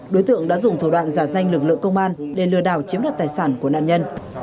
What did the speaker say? đối tượng đã dùng thủ đoạn giả danh lực lượng công an để lừa đảo chiếm đoạt tài sản của nạn nhân